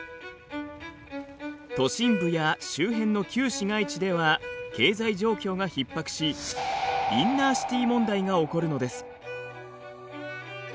都心部や周辺の旧市街地では経済状況がひっ迫しインナーシティ問題が起こるのです。